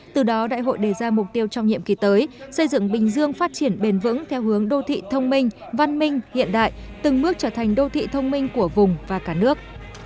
từ đó đại hội đề ra mục tiêu trong nhiệm kỳ tới xây dựng bình dương phát triển bền vững theo hướng đô thị thông minh văn minh hiện đại từng bước trở thành đô thị thông minh của vùng và cả nước